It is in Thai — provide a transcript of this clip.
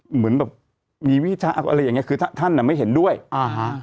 เหมือนแบบมีวิชาอะไรอย่างเงี้คือถ้าท่านอ่ะไม่เห็นด้วยอ่าฮะ